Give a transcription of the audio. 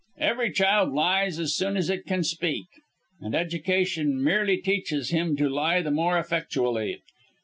Every child lies as soon as it can speak; and education merely teaches him to lie the more effectually.